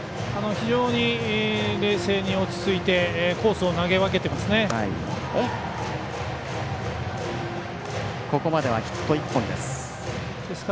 非常に冷静に落ち着いてコースを投げ分けてますね。